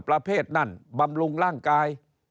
ประเภทนั่นบำรุงร่างกาย